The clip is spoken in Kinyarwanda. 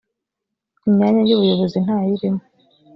imyanya y’ ubuyobozi ntayirimo.